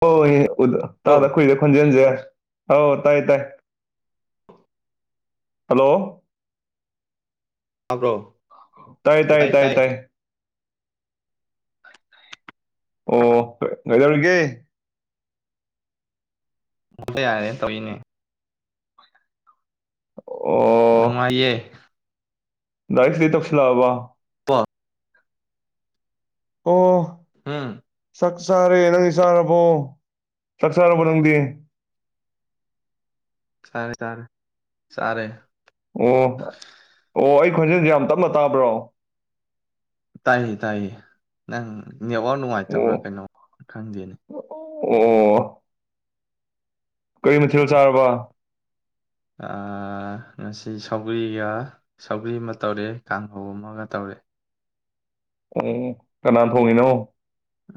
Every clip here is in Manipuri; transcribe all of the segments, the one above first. ꯍ ꯍ ꯇꯥꯗ ꯍꯧ ꯀꯨꯏꯗꯦ ꯈꯣꯟꯖꯦꯜꯁꯦ ꯑ ꯇꯥꯏ ꯇꯥꯏ ꯍꯂꯣ ꯍꯥꯕ꯭ꯔꯣ ꯇꯥꯏ ꯇꯥꯏ ꯇꯥꯏ ꯇꯥꯏ ꯑꯣ ꯀꯩꯗꯔꯒꯦ ꯃꯨꯛꯇ ꯌꯥꯔꯦ ꯇꯧꯔꯤꯅꯦ ꯅꯨꯡꯉꯥꯏꯌꯦꯌꯦ ꯗꯥꯏꯁ ꯂꯩꯇꯁꯤꯂꯕ ꯑ ꯑꯣ ꯑꯝ ꯁꯠꯁꯔꯦ ꯁꯍꯔꯄ ꯁꯠꯁꯥꯔꯕꯨ ꯂꯪꯗ ꯁꯔꯦ ꯇꯔꯦ ꯁꯔꯦ ꯑꯣ ꯑꯣ ꯑꯩ ꯈꯣꯟꯖꯦꯜꯁꯦ ꯌꯥꯝ ꯇꯞꯅ ꯇꯥꯕ꯭ꯔꯣ ꯇꯥꯏꯌꯦ ꯇꯥꯏꯌꯦ ꯅꯪ ꯅꯦꯠꯋꯥꯥꯛ ꯑꯣ ꯅꯨꯡꯉꯥꯏꯇꯕ꯭ꯔꯥ ꯀꯩꯅꯣ ꯈꯪꯗꯦꯅꯦ ꯑꯣ ꯀꯔꯤ ꯃꯊꯦꯜ ꯆꯥꯔꯕ ꯉꯁꯤ ꯁꯒ꯭ꯔꯤꯒ ꯁꯒ꯭ꯔꯤ ꯑꯃ ꯇꯧꯔꯑꯦ ꯀꯥꯡꯍꯧ ꯑꯃꯒ ꯇꯧꯔꯑꯦ ꯎ ꯀꯅꯥ ꯊꯣꯡꯉꯤꯅꯣ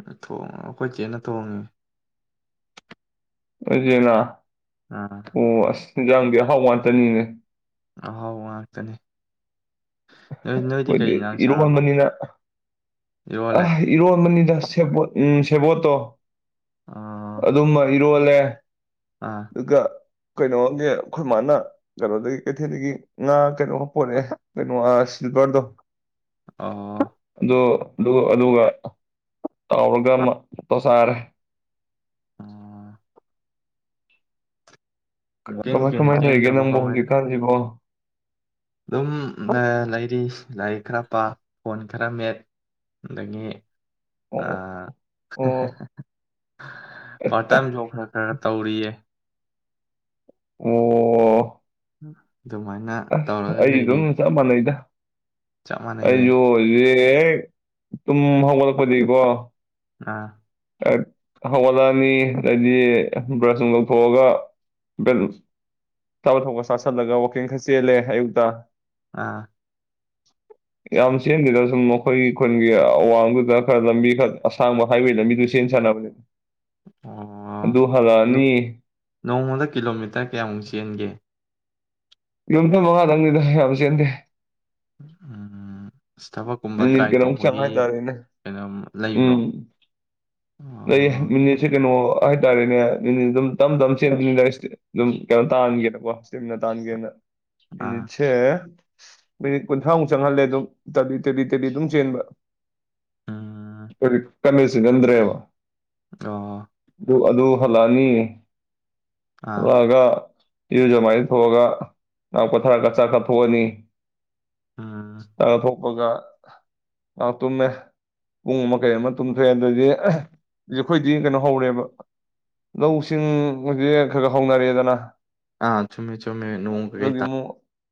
ꯑꯩꯈꯣꯏ ꯆꯦꯠꯅ ꯊꯣꯡꯉꯤ ꯖꯤꯅ ꯄꯣꯏꯁ ꯌꯥꯡꯗꯤ ꯑꯍꯥꯎ ꯋꯥꯟꯇꯅꯤꯡꯅꯦ ꯑꯍꯥꯎ ꯉꯥꯛꯇꯅꯦ ꯑꯩꯣꯏꯗꯤ ꯏꯔꯣ ꯍꯟꯕꯅꯤꯅ ꯑ ꯏꯔꯣꯜꯂꯦ ꯏꯔꯣꯟꯕꯅꯤꯗ ꯕ ꯎꯝ ꯁꯦꯕꯠꯇꯣ ꯑꯣ ꯑꯗꯨ ꯑꯗꯨ ꯂꯣꯜꯂꯦ ꯑꯥ ꯑꯗꯨꯒꯒ ꯀꯩꯅꯣꯒꯤ ꯑꯩꯈꯣꯏ ꯃꯥꯅ ꯀꯩꯅꯣꯗꯒꯤ ꯀꯩꯊꯦꯜꯗꯒꯤ ꯉꯥ ꯀꯩꯅꯣ ꯄꯣꯔꯔꯛꯑꯦ ꯀꯩꯅꯣ ꯑꯁ ꯆꯄꯔꯗꯣ ꯑ ꯑꯗꯨꯒ ꯑꯗꯨꯒ ꯇꯧꯔꯒ ꯑꯃ ꯇꯣꯁꯥꯔꯦ ꯋꯥꯀꯤꯡ ꯀꯃꯥꯏ ꯅꯨꯡꯀꯤꯡ ꯀꯃꯥꯏ ꯂꯩꯒꯦ ꯆꯦꯟꯗ꯭ꯔꯕꯣ ꯅꯪꯕꯣ ꯀꯃꯥꯏ ꯍꯧꯖꯤꯛꯀꯥꯟꯁꯤꯕꯣ ꯑꯗꯨꯝ ꯂꯩꯔꯤ ꯂꯥꯏꯔꯤꯛ ꯈꯔ ꯄꯥ ꯐꯣꯟ ꯈꯔ ꯃꯦꯠ ꯑꯗꯒꯤ ꯑ ꯑꯣ ꯑꯣ [unintelligible] ꯄꯥꫪꯠ ꯇꯥꯏꯝ ꯖꯣꯕ ꯈꯔ ꯈꯔ ꯇꯧꯔꯤꯌꯦ ꯑꯣ ꯎꯝ ꯑꯁ ꯑꯩ ꯑꯗꯨꯝ ꯆꯞ ꯃꯥꯟꯅꯩꯗ ꯆꯞ ꯑꯩ ꯃꯥꯟꯅꯩꯌꯦ ꯍꯨꯖꯤꯛ ꯍꯦꯛ ꯇꯨꯝ ꯍꯧꯒꯠꯂꯛꯄꯗꯩ ꯀꯣ ꯑꯥ ꯍꯧꯒꯠꯂꯛꯑꯅꯤ ꯑꯗꯩꯗꯤ ꯕ꯭ꯔꯁ ꯅꯨꯡ ꯇꯧꯊꯣꯛꯑꯒ ꯕ꯭ꯔꯦꯠ ꯊꯥꯕ ꯊꯛꯄ ꯆꯥꯁꯜꯂꯒ ꯋꯥꯛꯀꯤꯡ ꯈꯔ ꯆꯦꯜꯂꯦ ꯑꯌꯨꯛꯇ ꯑꯥ ꯌꯥꯝ ꯆꯦꯟꯗꯦꯗ ꯁꯨꯝ ꯃꯈꯣꯏꯒꯤ ꯈꯨꯟꯒꯤ ꯑꯋꯥꯡꯗꯨꯗ ꯈꯔ ꯂꯝꯕꯤ ꯈꯔ ꯑꯁꯥꯡꯕ ꯍꯥꯏꯋꯦ ꯂꯝꯕꯤꯗꯨ ꯆꯦꯟ ꯁꯥꯅꯕꯅꯦꯕ ꯑꯣ ꯅꯣꯡꯃꯗ ꯀꯤꯂꯣꯃꯤꯇꫪ ꯀꯌꯥꯃꯨꯛ ꯆꯦꯟꯒꯦ ꯀꯤꯂꫭꯃꯤꯇꫪ ꯃꯉꯥꯗꯪꯅꯤꯗ ꯌꯥꯝ ꯆꯦꯟꯗꯦ ꯎꯝ ꯊꯕꯛꯀꯨꯝꯕ ꯃꯤꯅꯤꯠ ꯇ꯭ꯔꯥꯏ ꯀꯩꯅꯣꯃꯨꯛ ꯇꯧꯕꯒꯤ ꯆꯥꯡꯉꯦ ꯍꯥꯏꯇꯥꯔꯦꯅꯦ ꯀꯩꯅꯣꯝ ꯂꯩꯕ꯭ꯔꯣ ꯎꯝ ꯂꯩ ꯑꯣ ꯃꯤꯅꯤꯠꯁꯦ ꯀꯩꯅꯣ ꯍꯥꯏꯇꯥꯔꯦꯅꯦ [unintelligible] ꯑꯗꯨꯝ ꯇꯝ ꯇꯝ ꯆꯦꯟꯕꯅꯤꯅ ꯑꯗꯨꯝ ꯀꯩꯅꯣ ꯇꯥꯍꯥꯟꯒꯦꯅꯀꯣ ꯏꯁꯇꯦꯝꯃꯤꯅ ꯇꯥꯟꯒꯦꯅ ꯑꯥ ꯃꯤꯅꯤꯠꯁꯦ ꯃꯤꯅꯤꯠ ꯀꯨꯟꯊ꯭ꯔꯥꯃꯨꯛ ꯆꯪꯍꯜꯂꯦ ꯑꯗꯨꯝ ꯇꯦꯂꯤ ꯇꯦꯂꯤ ꯑꯗꯨꯝ ꯆꯦꯟꯕ ꯎꯝ ꯆꯦꯟꯖꯟꯟꯗ꯭ꯔꯦꯕ ꯑꫭ ꯑꯗꯨ ꯑꯗꯨ ꯍꯜꯂꯛꯑꯅꯤ ꯑꯥ ꯑꯗꯨꯂꯒ ꯏꯔꯨꯖꯃꯥꯏꯅꯊꯊꯣꯛꯑꯒ ꯉꯥꯛ ꯄꫭꯊꯥꯔꯒ ꯆꯥꯛ ꯆꯥꯊꯣꯛꯑꯅꯤ ꯑꯥ ꯑꫭꯒ ꯉꯥꯛ ꯇꯨꯝꯃꯦ ꯄꯨꯡ ꯑꯃ ꯀꯩ ꯑꯃ ꯇꯨꯝꯊꯣꯛꯑꯦ ꯑꯗꯨꯗꯩ ꯑꯈꫭꯏꯗꯤ ꯀꯩꯅꫭ ꯍꯧꯔꯦꯕ ꯂꯧꯁꯤꯡꯁꯦ ꯈꯔ ꯈꯔ ꯍꯧꯅꯔꯦꯗꯅ ꯑꯥ ꯆꯨꯝꯃꯦ ꯆꯨꯝꯃꯦ ꯅꯣꯡ ꯀꯩꯀꯩ ꯑꯗꯨꯒꯤ ꯑꯃꯨꯛ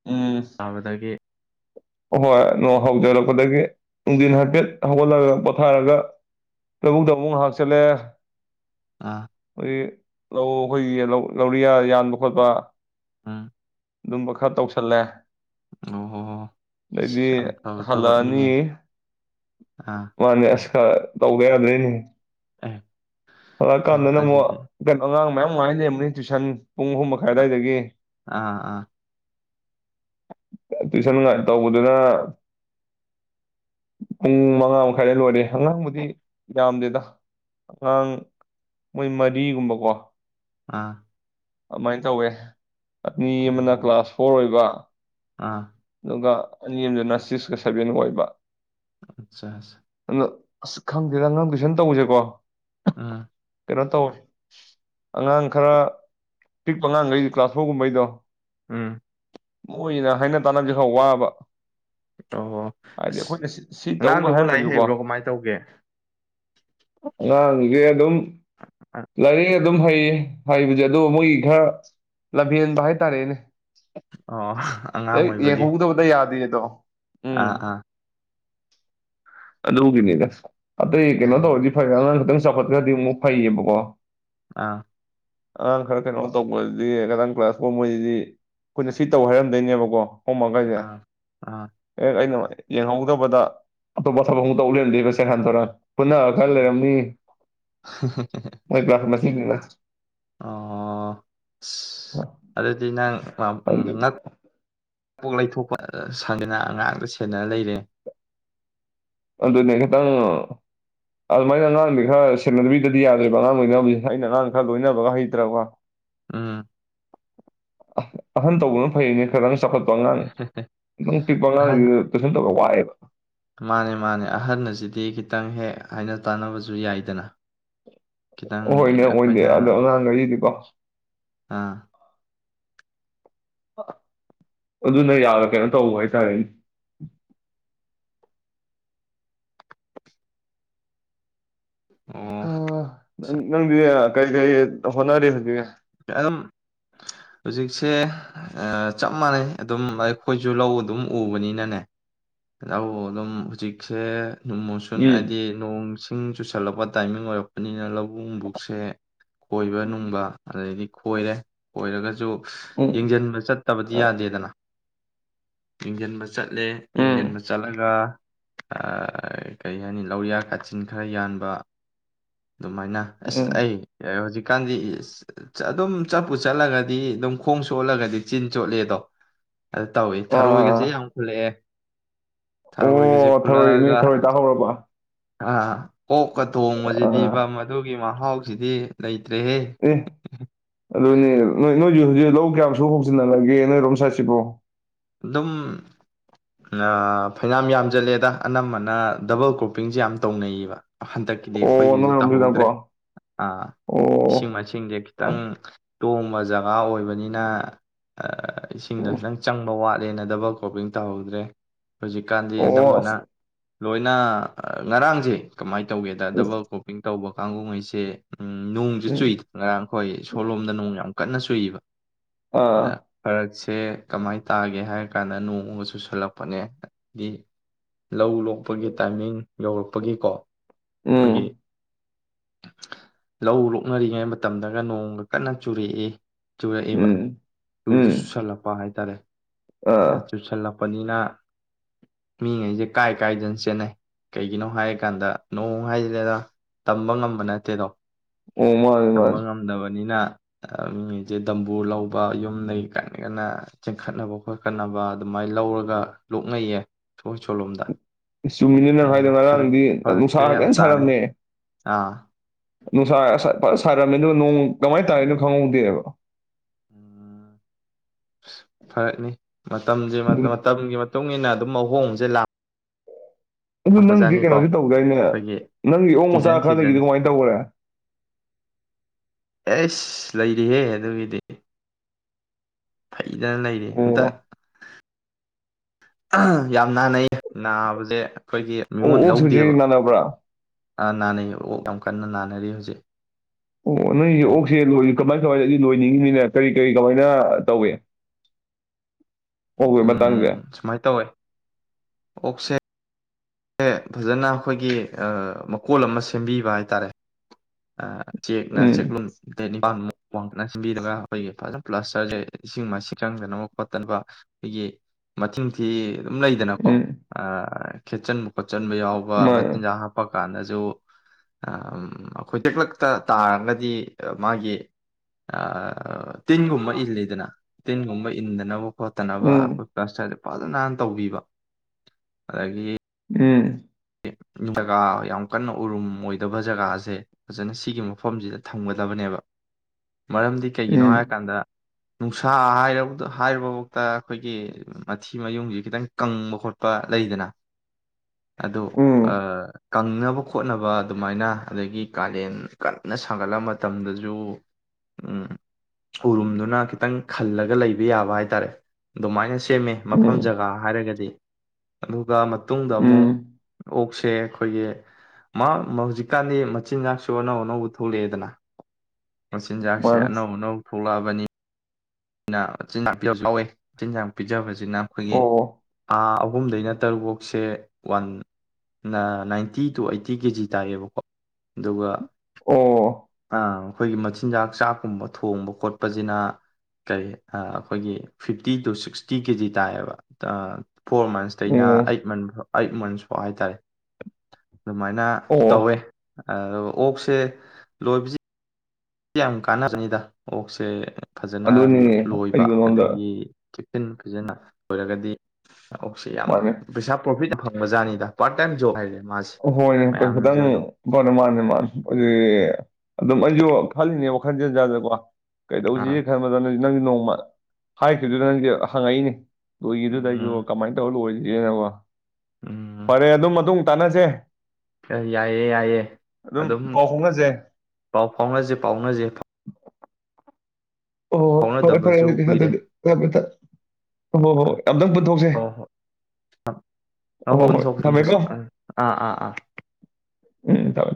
ꯎꯝ ꯇꯥꯕꯗꯒꯤ ꯍꯣꯏ ꯅꫭꯡ ꯍꯧꯗ ꯄꯗꯒꯤ ꯅꯨꯡꯗꯤꯟ ꯍꯥꯏꯐꯦꯠ ꯍꯧꯒꯠꯂꯒ ꯄꯣꯊꯥꯔꯒ ꯇꯧꯕꯨꯛꯇꯌꯨꯛ ꯉꯍꯥꯛ ꯆꯠꯂꯦ ꯑꯥ ꯑꯣꯏ ꯂꯧ ꯑꯩꯈꯣꯏꯒꯤ ꯂꯧꯔꯤꯌꯥ ꯌꯥꯟꯕ ꯈꯣꯠꯄ ꯎꯝ ꯑꯗꯨꯝꯕ ꯈꯔ ꯇꯧꯁꯜꯂꯦ ꯑꯣ ꯍꯣ ꯌꯥꯝ ꯇꯩꯔꯦ ꯍꯂꯛꯑꯅꯤ ꯑꯥ ꯃꯥꯅꯦ ꯈꯔ ꯇꯧꯕ ꯌꯥꯗ꯭ꯔꯦꯅꯦ ꯑꯦ ꯊꯕꯛ ꯍꯂꯛꯑꯀꯥꯟꯗꯅ ꯑꯃꯨꯛ ꯑꯁꯤꯗꯤ ꯀꯩꯅꯣ ꯑꯉꯥꯡ ꯃꯌꯥꯝ ꯃꯥꯗꯅꯤ ꯇꯨꯁꯟ ꯄꯨꯡ ꯑꯍꯨꯝ ꯃꯈꯥꯏ ꯑꯥ ꯑꯋꯥꯏꯗꯒꯤ ꯑꯥ ꯇꯨꯏꯁꯟ ꯇꯧꯕꯗꯨꯅ ꯄꯨꯡ ꯃꯉꯥ ꯃꯈꯥꯏꯗ ꯂꯣꯏꯔꯦ ꯑꯉꯥꯡꯕꯨꯗꯤ ꯌꯥꯝꯗꯦꯗ ꯑꯉꯥꯡ ꯃꯣꯏ ꯃꯔꯤꯒꯨꯝꯕꯀꯣ ꯑꯥ ꯑꯗꯨꯃꯥꯏꯅ ꯇꯧꯋꯦ ꯑ ꯃꯤ ꯑꯃꯅ ꯑꯣ ꯀ꯭ꯂꯥꯁ ꯐꯣꯔ ꯑꯣꯏꯕ ꯑꯥ ꯑꯗꯨꯒ ꯑꯅꯤ ꯑꯦꯝꯗꯨꯅ ꯁꯤꯛꯁꯀ ꯁꯚꯦꯟ ꯑꯣꯏꯕ ꯑꯠꯆꯥ ꯑꯁ ꯑ ꯑꯁ ꯈꯪꯗꯦꯗ ꯅꯪ ꯇꯨꯏꯁꯟ ꯇꯧꯁꯦꯀꯣ ꯑꯥ ꯀꯩꯅꯣ ꯇꯧꯋ ꯑꯉꯥꯡ ꯈꯔ ꯄꯤꯛꯄ ꯑꯉꯥꯡꯈꯩꯗꯤ ꯀ꯭ꯂꯥꯁ ꯐꯣꯔꯒꯨꯝꯕꯩꯗꯣ ꯎꯝ ꯃꯣꯏꯅ ꯍꯥꯏꯅ ꯇꯥꯅꯕꯁ ꯈꯔ ꯋꯥꯕ ꯑꯣ ꯍꯥꯏꯗꯤ ꯑꯁ ꯑꯩꯈꯣꯏꯅ ꯁꯤ ꯇꯧꯒ ꯑꯉꯥꯡꯗꯨꯕꯨ ꯂꯥꯏꯔꯤꯛ ꯍꯥꯏꯔꯝꯃꯁꯨꯀꯣ ꯍꯩꯕ꯭ꯔꯣ ꯀꯃꯥꯏꯅ ꯇꯧꯒꯦ ꯑꯉꯥꯡ ꯑꯗꯨꯝ ꯑ- ꯂꯔꯤ ꯑꯗꯨꯝ ꯍꯩꯌꯦ ꯍꯩꯕꯁꯦ ꯑꯗꯨꯕꯨ ꯃꯣꯏꯒꯤ ꯈꯔ ꯂꯝꯍꯦꯟꯕ ꯍꯥꯏꯇꯥꯔꯦꯅꯦ ꯑꯣ ꯑꯉꯥꯡ ꯍꯦꯛ ꯑꯣꯏꯕꯒꯤ ꯌꯥꯡꯍꯧꯗꯕꯗꯥ ꯌꯥꯗꯦ ꯗ‌ꯣ ꯑꯥ ꯑꯥ ꯑꯗ ꯍꯒꯅꯤꯒ ꯑꯇꯩ ꯀꯩꯅꯣ ꯇꯧꯔꯥꯗꯤ ꯑꯣ ꯐꯩ ꯑꯃꯥ ꯈꯤꯇꯪ ꯆꯥꯎꯈꯠꯈ꯭ꯔꯗꯤ ꯑꯃꯨꯛ ꯐꯩꯌꯦꯕꯀꯣ ꯑꯥ ꯑꯥꯡ ꯈꯔ ꯀꯩꯅꯣ ꯇꯧꯕꯗꯤ ꯈꯤꯇꯪ ꯀ꯭ꯂꯥꯁ ꯐꯥꯎ ꯃꯣꯏꯁꯤꯗꯤ ꯑꯩꯈꯣꯏꯅ ꯁꯤ ꯇꯧ ꯍꯥꯏꯔꯝꯗꯣꯏꯅꯦꯕꯀꯣ ꯍꯣꯡꯃꯈꯩꯁꯦ ꯑꯥ ꯑꯥ ꯑꯦ ꯑꯩꯅ ꯌꯦꯡꯍꯧꯗꯕꯗꯥ ꯑꯇꯣꯞꯄ ꯊꯕꯛ ꯑꯃꯨꯛꯇꯧꯠꯍꯟꯦꯕ ꯁꯦꯔꯥꯟ ꯇꯨꫪꯥꯟ ꯄꯨꯟꯅꯑꯀꯥꯟ ꯑꯣ ꯂꯩꯔꯝꯃꯤ ꯃꯣꯏ [unintelligible] ꯑꯣ ꯑꯗꯨꯗꯤ ꯑꯥꯁ ꯅꯪ ꯉꯛ ꯕꯣꯛ ꯂꯩꯊꯣꯛꯄ ꯁꯗꯅ ꯉꯥꯡꯇ ꯁꯦꯗꯅ ꯂꯩꯔꯦ ꯑꯗꯨꯅꯦ ꯈꯤꯇꯪ ꯑꯗꯨꯃꯥꯏꯅ ꯑꯉꯥꯡꯗꯤ ꯈꯔ ꯁꯦꯅꯕꯤꯗꯗꯤ ꯌꯥꯗ꯭ꯔꯦꯔꯤꯕ ꯑꯉꯥꯡ ꯑꯣꯏꯅꯕ ꯑꯩꯅ ꯑꯉꯥꯡ ꯈꯔ ꯂꯣꯏꯅꯕꯒ ꯍꯩꯇ꯭ꯔꯀꯣ ꯑꯥ ꯑꯍꯟ ꯇꯧꯕꯅ ꯐꯩꯅꯦ ꯈꯤꯇꯪ ꯆꯥꯎꯈꯠꯄ ꯑꯉꯥꯡ ꯑꯗꯨꯝ ꯄꯤꯛꯄ ꯑꯍꯟ ꯑꯉꯥꯡꯗꯨ ꯇꯨꯁꯟ ꯇꯧꯕꯥ ꯋꯥꯏ ꯐꯩ ꯃꯥꯅꯦ ꯃꯥꯅꯦ ꯑꯍꯜ ꯑꯁꯤꯗꯤ ꯈꯤꯇꯪ ꯍꯦꯛ ꯍꯥꯏꯅ ꯇꯥꯟꯅꯕꯁꯨ ꯌꯥꯏꯗꯅ ꯈꯤꯇꯪ ꯍꯣꯏꯅꯦ ꯑꯣꯏꯗꯦ ꯑꯩꯈꯣꯏꯅ ꯑꯗꯣ ꯅꯉꯥꯡꯈꯔꯤꯗꯤꯀꯣ ꯑꯥ ꯑꯗꯨꯅ ꯌꯥꯔꯦ ꯀꯩꯅꯣ ꯇꯧꯕ ꯍꯥꯏꯇꯥꯔꯦꯅꯦ ꯑꯣ ꯑꯗꯨꯗꯤ ꯅꯪꯗꯤ ꯀꯩ ꯀꯩ ꯇꯧꯈꯠꯅꯔꯆ ꯍꯧꯖꯤ ꯑꯗꯨꯝ ꯍꯧꯖꯤꯛꯁꯦ ꯆꯞ ꯃꯥꯟꯅꯩ ꯑꯗꯨꯝ ꯑꯩꯈꯣꯏꯁꯨ ꯂꯧ ꯑꯗꯨꯝ ꯎꯕꯅꯤꯅꯅꯦ ꯂꯧ ꯑꯗꯨꯝ ꯍꯧꯖꯤꯛꯁꯦ ꯃꯨꯁꯟ ꯍꯥꯏꯗꯤ ꯅꯣꯡ ꯏꯁꯤꯡ ꯆꯨꯁꯜꯂꯛꯄ ꯇꯥꯏꯃꯤꯡ ꯑꯣꯏꯔꯛꯄꯅꯤꯅ ꯂꯧꯕꯨ ꯕꯨꯛꯁꯦ ꯀꯣꯏꯕ ꯅꯨꯡꯕ ꯑꯗꯩꯗꯤ ꯈꯣꯏꯔꯦ ꯈꯣꯏꯔꯒꯁꯨ ꯎꯝ ꯌꯦꯡꯁꯤꯟꯕ ꯆꯠꯇꯕꯗꯤ ꯎꯝ ꯌꯥꯗꯦꯗꯅ ꯏꯟꯖꯟ [unintelligible] ꯆꯠꯂꯦ ꯎꯝ ꯌꯦꯡꯁꯤꯟꯕ ꯆꯠꯂꯒ ꯀꯔꯤ ꯍꯥꯏꯅꯤ ꯂꯧꯔꯤꯌꯥ ꯀꯥꯆꯤꯟ ꯈꯔ ꯌꯥꯟꯕ ꯑꯗꯨꯃꯥꯏꯅ ꯑꯁ ꯎꯝ ꯑꯩ ꯍꯧꯖꯤꯛꯀꯥꯟꯗꯤ ꯑꯗꯨꯝ ꯆꯠꯄꯨ ꯆꯠꯂꯒꯗꯤ ꯑꯗꯨꯝ ꯈꯣꯡ ꯁꯣꯜꯂꯒꯗꯤ ꯆꯤꯟ ꯆꯣꯠꯂꯦ ꯑꯗꯣ ꯑꯗꯨ ꯇꯧꯏ ꯊꯔꯣꯏꯒꯁꯦ ꯑꯥ ꯌꯥꯝ ꯄꯨꯨꯜꯂꯛꯑꯦ ꯑꯣ ꯊꯔꯣꯏ ꯃꯤ ꯊꯔꯣꯏ ꯇꯥꯍꯧꯔꯕ ꯑꯥ ꯑꯣꯛꯀ ꯑꯥ ꯊꯣꯡꯉꯕꯁꯤꯗꯤꯕꯝ ꯑꯗꯨꯒꯤ ꯃꯥ ꯆꯥꯛꯍꯥꯎꯁꯤꯗꯤ ꯂꯩꯇ꯭ꯔꯦꯍꯦ ꯑꯦ ꯑꯗꯨꯅꯦ ꯅꯣꯏ ꯅꯣꯏꯁꯨ ꯍꯧꯖꯤꯛ ꯂꯧ ꯀꯌꯥꯝ ꯁꯨ ꯍꯧꯆꯤꯍꯂꯒꯦ ꯅꯣꯏꯔꯣꯝ ꯁꯥꯏꯠꯁꯤꯕꯨꯣ ꯑꯗꯨꯝ ꯐꯩꯅꯝ ꯌꯥꯝꯁꯤꯜꯂꯦꯗ ꯑꯅꯝꯕꯅ ꯗꯕꯜ ꯀ꯭ꯔꯣꯞꯄꯤꯡꯁꯦ ꯌꯥꯝ ꯇꯧꯅꯩꯌꯦꯕ ꯍꯟꯗꯛꯀꯤꯗꯤ ꯑꯣ ꯑꯩꯈꯣꯏꯒꯤꯁꯦ ꯇꯧꯍꯧꯗ꯭ꯔꯦ ꯅꯣꯏꯔꯣꯝꯁꯤꯗꯀꯣ ꯏꯁꯤꯡ ꯑꯣ ꯃꯥꯏꯁꯤꯡꯁꯦ ꯈꯤꯇꯪ ꯀꯕ ꯖꯒꯥ ꯑꯣꯏꯕꯅꯤꯅ ꯏꯁꯤꯡꯗꯣ ꯈꯤꯪ ꯆꯪ ꯋꯥꯠꯂꯦꯅꯗꯕ ꯀꯣꯄꯤꯡ ꯇꯧꯍꯧꯗ꯭ꯔꯦ ꯍꯧꯖꯤꯛꯀꯥꯟꯗꯤ ꯑꯣ ꯑꯗꯨꯝꯕꯅ ꯂꯣꯏꯅ ꯉꯔꯥꯡꯁꯦ ꯀꯃꯥꯏꯅ ꯇ ꯇꯧꯒꯦꯗ ꯗꯕꯜ ꯀꯣꯄꯤꯡ ꯇꯧꯕ ꯀꯥꯡꯒꯨꯍꯩꯁꯦ ꯎꯝ ꯅꯣꯡꯁꯨ ꯆꯨꯏꯗ ꯉꯔꯥꯡ ꯑꯩꯈꯣꯏ ꯁꯣꯂꯣꯝꯗ ꯅꯣꯡ ꯌꯥꯝ ꯀꯠꯟꯅꯁꯨꯨꯏꯕ ꯑꯥ ꯐꯔꯛꯁꯤ ꯀ ꯀꯃꯥꯏ ꯇꯥꯒꯦ ꯍꯥꯏꯔ ꯀꯥꯟꯗ ꯅꯣꯡꯃꯒ ꯆꯨ ꯁꯜꯂꯛꯄꯅꯦꯗꯤ ꯂꯧ ꯂꯣꯛꯄꯒꯤ ꯇꯥꯏꯃꯤꯡ ꯌꯧꯔꯛꯄꯒꯤꯀꯣ ꯑꯩꯈꯣꯏꯒꯤ ꯎꯝ ꯂꯧ ꯂꯣꯛꯅꯔꯤꯉꯩ ꯃꯇꯝꯗꯒ ꯅꯣꯡꯒ ꯀꯟꯅ ꯆꯨꯔꯛꯏ ꯆꯨꯔꯛꯑꯦꯕ ꯎꯝ ꯆꯨꯁꯨ ꯎꯝ ꯆꯨꯁꯜꯂꯛꯄ ꯍꯥꯏ ꯇꯥꯔꯦ ꯑꯥ ꯑꯆꯁ ꯀꯄꯅꯤꯅ ꯃꯤꯉꯩꯁꯦ ꯀꯥꯏ ꯀꯥꯏꯗꯅ ꯆꯦꯟꯅꯩ ꯀꯩꯒꯤꯅꯣ ꯍꯥꯏꯔ ꯀꯥꯟꯗ ꯅꯣꯡ ꯍꯥꯏꯁꯤꯂꯦꯗ ꯇꯝꯕ ꯉꯝꯕ ꯅꯠꯇꯦꯗꯣ ꯑꯣ ꯃꯥꯅꯤ ꯊꯝꯕ ꯃꯥꯅꯤ ꯉꯝꯗꯕꯅꯤꯅ ꯃꯤꯁꯦ ꯗꯝꯕꯨ ꯂꯧꯕ ꯌꯨꯝꯗꯒꯤꯩ ꯀꯟꯅ ꯀꯟꯅ ꯈꯠꯅꯕ ꯈꯣꯠ ꯈꯠꯅꯕ ꯑꯗꯨꯃꯥꯏꯅ ꯂꯧꯔꯒ ꯂꯣꯛꯅꯩꯌꯦ ꯁꯣꯏ ꯁꯣꯂꯣꯝꯗ ꯆꯨꯝꯃꯤꯅꯤ ꯅꯪ ꯍꯥꯏꯗꯣ ꯐꯔꯛ ꯉꯔꯥꯡꯗꯤ ꯅꯨꯡꯁꯥ ꯐꯔꯛꯁꯦ ꯌꯥꯝ ꯍꯥꯏꯖꯅ ꯇꯥꯔꯦ ꯁꯥꯔꯝꯃꯦ ꯑꯥ ꯅꯨꯡꯁꯥ ꯐꯖ ꯁꯥꯔꯝꯃꯤꯗ ꯅꯣꯡ ꯀꯃꯥꯏꯅ ꯇꯥꯔꯤꯦꯅꯣ ꯈꯪꯍꯧꯗꯦꯕ ꯎꯝ ꯐꯔꯦꯅꯤ ꯃꯇꯝꯁ ꯃꯇꯝꯒꯤ ꯃꯇꯨꯡ ꯏꯟꯅ ꯑꯗꯨꯝ ꯑꯍꯣꯡꯕꯁꯦ ꯂꯥꯛ ꯑꯗꯨ ꯅꯪꯗꯤ ꯀꯩꯅꯣꯁꯤ ꯇꯧꯗꯣꯏꯅꯦ ꯑꯩꯈꯣꯏꯒꯤ ꯅꯪꯒꯤ ꯑꯣꯑꯣꯡ ꯃꯆꯥ ꯁꯤꯖꯟ ꯁꯤꯖꯟ ꯈꯔꯗꯒꯤꯗꯤ ꯀꯃꯥꯏꯅ ꯇꯧꯈꯔꯦ ꯑꯦꯁ ꯂꯩꯔꯤꯍꯦ ꯑꯗꯨꯒꯤꯗꯤ ꯂꯩꯗꯅ ꯂꯩꯔꯤ ꯑꯝꯇ ꯑꯣ ꯌꯥꯝ ꯌꯥꯝ ꯅꯥꯅꯩ ꯅꯥꯕꯁꯦ ꯑꯩꯈꯣꯏꯒꯤ ꯑꯣ ꯃꯤꯉꯣꯟ ꯑꯣꯛꯁꯦ ꯂꯧꯗꯦꯕ ꯍꯧꯖꯤꯛ ꯅꯥꯅꯕ꯭ꯔꯥ ꯅꯥꯅꯩ ꯑꯣ ꯌꯥꯝ ꯀꯟꯅ ꯅꯥꯟꯅꯔꯤ ꯍꯧꯖꯤꯛ ꯑꯣ ꯅ ꯑꯣꯛ ꯑꯣ ꯈꯦ ꯑꯣꯏ ꯀꯃꯥꯏ ꯀꯃꯥꯏꯅ ꯑꯩ ꯂꯣꯏꯅꯤꯡꯉꯤꯅꯤꯅ ꯀꯔꯤ ꯀꯔꯤ ꯀꯃꯥꯏꯅ ꯇꯧꯏ ꯑꯣꯛꯀꯤ ꯃꯇꯥꯡꯁꯦ ꯎꯝ ꯁꯨꯃꯥꯏꯅ ꯇꯧꯋꯦ ꯑꯣꯛꯁꯦ ꯁ ꯐꯖꯅ ꯑꯩꯈꯣꯏꯒꯤ ꯃꯀꯣꯜ ꯑꯃ ꯁꯦꯝꯕꯤꯕ ꯍꯥꯏꯇꯥꯔꯦ ꯑ ꯆꯦꯛꯅ ꯎꯝ ꯆꯦꯛꯂꯨꯝ ꯠ ꯅꯤꯄꯜꯃꯨꯛ ꯋꯥꯡꯈꯅ ꯁꯤꯟꯕꯤꯔꯒ ꯑꯩꯈꯣꯏꯒꯤ ꯐꯖꯅ ꯄ꯭ꯂꯥꯁꯇꯔꯁꯦ ꯏꯁꯤꯡ ꯃꯥꯏ ꯆꯪꯗꯅꯕ ꯈꯣꯠꯇꯅꯕ ꯑꯩꯈꯣꯏꯒꯤ ꯃꯊꯤꯡꯊꯤ ꯑꯗꯨꯝ ꯂꯩꯗꯅꯀꯣ ꯎꯝ ꯈꯦꯠꯆꯟꯕ ꯈꯣꯠꯆꯟ ꯌꯥꯎꯕ ꯃꯥꯅꯦ ꯃꯆꯤꯟꯖꯥꯛ ꯍꯥ ꯄ ꯀꯥꯟꯗꯁꯨ ꯈꯣꯏꯇꯦꯛꯂꯛꯇ ꯇꯥꯔꯒꯗꯤ ꯃꯥꯒꯤ ꯇꯤꯟꯒꯨꯝꯕ ꯏꯜꯂꯤꯗꯅ ꯇꯤꯟꯒꯨꯝꯕ ꯏꯟꯗꯅꯕ ꯈꯣꯠꯇꯅꯕ ꯑꯩꯈꯣꯏ ꯄ ꯐꯖꯅꯅ ꯇꯧꯕꯤꯕ ꯑꯗꯒꯤ ꯎꯝ ꯖꯒꯥ ꯌꯥꯝ ꯀꯟꯅ ꯎꯔꯨꯝ ꯑꯣꯏꯗꯕ ꯖꯒꯥꯁꯦ ꯐꯖꯅ ꯁꯤꯒꯤ ꯃꯐꯝꯁꯤꯗ ꯊꯝꯒꯗꯕꯅꯦꯕ ꯃꯔꯝꯗꯤ ꯀꯩꯒꯤꯅꯣ ꯍꯥꯏꯔꯀꯥꯟꯗ ꯅꯨꯡꯁꯥ ꯍꯥꯏ ꯍꯥꯏꯨꯔꯕꯐꯥꯎꯇ ꯑꯩꯈꯣꯏꯒꯤ ꯃꯊꯤ ꯃꯌꯨꯡꯁꯦ ꯈꯤꯇꯪ ꯀꯪꯕ ꯈꯣꯠꯄ ꯂꯩꯗꯅ ꯑ ꯀꯪꯅꯕ ꯈꯣꯠꯅꯕ ꯑꯗꯨꯃꯥꯏꯅ ꯑꯗꯒꯤ ꯀꯥꯂꯦꯟ ꯀꯟꯅ ꯁꯥꯒꯠꯂ ꯃꯇꯝꯗꯁꯨ ꯈꯨꯔꯨꯝꯗꯨꯅ ꯈꯤꯇꯪ ꯈꯜꯂꯒ ꯂꯩꯕ ꯌꯥꯕ ꯍꯥꯏꯇꯥꯔꯦ ꯑꯗꯨꯃꯥꯏꯅ ꯁꯦꯝꯃꯦ ꯃꯐꯝ ꯖꯒꯥ ꯍꯥꯏꯔꯒꯗꯤ ꯑꯗꯨꯒ ꯃꯇꯨꯡꯗ ꯑꯃꯨꯛ ꯑꯣꯛꯁꯦ ꯑꯩꯈꯣꯏꯒꯤ ꯃꯥ ꯍꯧꯖꯤꯛꯀꯥꯟꯗꯤ ꯃꯆꯤꯟꯖꯥꯛꯁꯨ ꯑꯅꯧ ꯑꯅꯧꯕ ꯊꯣꯛꯂꯛꯑꯦꯗꯅ ꯃꯆꯤꯟꯖꯥꯛꯁꯦ ꯑꯅꯧ ꯑꯅꯧ ꯊꯣꯛꯂꯛꯑꯕ ꯑꯃꯅꯤꯅꯤ ꯥꯛ ꯌꯥꯋꯦ ꯆꯤꯟꯖꯥꯛ ꯄꯤꯖꯕꯁꯦ ꯍꯧꯛꯅ ꯑꯩꯈꯣꯏꯒꯤ ꯑꯥ ꯑꯍꯨꯝꯗꯩꯅ ꯇꯔꯨꯕꯣꯛꯁꯦ ꯋꯥꯟꯅ ꯅꯥꯏꯟꯇꯤ ꯇꯨ ꯑꯩꯠꯇꯤ ꯀꯦꯖꯤ ꯇꯥꯏꯌꯦꯕꯀꯣ ꯑꯗꯨꯒ ꯑꯩꯈꯣꯏꯒꯤ ꯃꯆꯤꯟꯖꯥꯛ ꯆꯥꯛꯀꯨꯝꯕ ꯊꯣꯡꯕ ꯈꯣꯠꯄꯁꯤꯅ ꯀꯩ ꯑꯩꯈꯣꯏꯒꯤ ꯐꯤꯐꯇꯤ ꯇꯨ ꯁꯤꯛꯁꯇꯤ ꯀꯦꯖꯤ ꯇꯥꯏꯌꯦꯕ ꯐꯣꯔ ꯃꯟꯁꯇꯩꯩꯅ ꯑꯩꯠ ꯃꯟ ꯑꯌꯨꯠ ꯃꯟꯁ ꯐꯥꯎ ꯍꯥꯏꯇꯥꯔꯦ ꯑꯗꯨꯃꯥꯏꯅ ꯇꯧꯋꯦ ꯑ ꯑꯣꯛꯁꯦ ꯂꯣꯏꯕꯁ ꯁꯤ ꯌꯥꯝ ꯀꯥꯟꯅꯔꯅꯤꯗ ꯑꯣꯛꯁꯦ ꯐꯖꯅ ꯂꯣꯏꯕ ꯑꯗꯒꯤ ꯀꯤꯞꯁꯤꯤꯟ ꯐꯖꯅ ꯑꯣꯔꯒꯗꯤ ꯑꯣ ꯁꯤ ꯌꯥꯝ ꯄꯩꯁꯥ ꯄ꯭ꯔꯣꯐꯤꯠ ꯌꯥꯝ ꯐ ꯃꯖꯥꯅꯤꯗ ꯄꯥꯔꯠ ꯇꯥꯏꯝ ꯖꯕ ꯍꯥꯏꯒꯦ ꯍꯣꯏꯅꯦ ꯈꯤꯇꯪ ꯐꯅꯤ ꯃꯥꯅꯤ ꯃꯥꯅꯤ ꯑꯗꯨꯝ ꯑꯩꯁꯨ ꯐꯅꯦ ꯑꯣꯈꯥꯟꯗꯤ ꯌꯥꯗꯀꯣ ꯑꯥ ꯀꯩꯗꯧꯁꯤꯒꯦ ꯈꯔꯃꯗꯅ ꯅꯪꯗꯤ ꯅꯣꯡꯃ ꯍꯥꯏꯈꯤꯕꯗꯨ ꯅꯪꯗꯤ ꯍꯪꯉꯛꯏꯅꯦ ꯏ ꯑꯗꯨꯗꯨ ꯊ ꯎꯝ ꯇꯥꯏꯁꯨꯣ ꯀꯃꯥꯏ ꯇꯧꯜ ꯑꯣꯏ ꯌꯦ ꯐꯔꯦ ꯑꯗꯨꯝ ꯃꯇꯨꯡ ꯇ ꯎꯆꯦ ꯌꯥꯏꯑꯦ ꯌꯥꯏꯑꯦ ꯑꯗꯨꯝ ꯄꯥꯎ ꯐꯥꯎꯅꯁꯦ ꯄꯥꯎ ꯐꯥꯎꯅꯁꯦ ꯄꯥꯎꯅꯁꯦꯥꯎ ꯑꯣꯣꯏ ꯐꯔꯦ ꯐꯔꯦ ꯑꯗꯨꯗꯤ ꯀꯨꯏꯔꯦ ꯑꯗꯨꯗꯤꯃꯦꯦ ꯍꯣꯏ ꯍꯣꯏ ꯑꯥ ꯌꯥꯝꯇꯪ ꯄꯨꯊꯣꯛꯁꯦ ꯍꯣꯏ ꯑꯣ ꯍꯣꯏ ꯊꯝꯃꯦꯀꯣ ꯑꯥ ꯑꯥ ꯎꯝ ꯇꯕ